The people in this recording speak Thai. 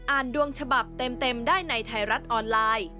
ดวงฉบับเต็มได้ในไทยรัฐออนไลน์